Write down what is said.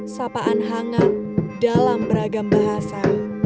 sapaan hangat dalam beragam bahasa